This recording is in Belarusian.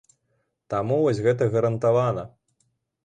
Таму вось гэта гарантавана.